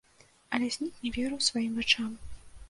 А ляснік не верыў сваім вачам.